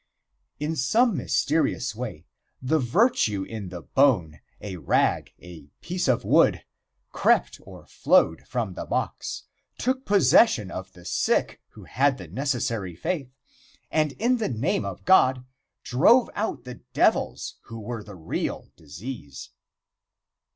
In some mysterious way the virtue in the bone, or rag, or piece of wood, crept or flowed from the box, took possession of the sick who had the necessary faith, and in the name of God drove out the devils who were the real disease.